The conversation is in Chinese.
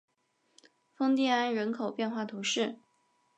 丰蒂安人口变化图示